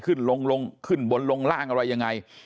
ขึ้นลงลงขึ้นบนลงล่างอะไรยังไง